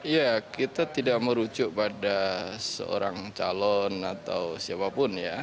ya kita tidak merujuk pada seorang calon atau siapapun ya